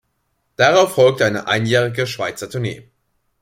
Darauf folgte eine einjährige Schweizer Tournee.